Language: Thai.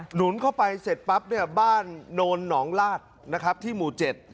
หนุนเข้าไปเสร็จปั๊บเนี่ยบ้านโนนหนองลาดนะครับที่หมู่เจ็ด